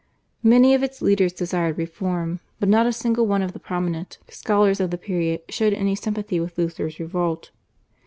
Many of its leaders desired reform, but not a single one of the prominent scholars of the period showed any sympathy with Luther's revolt.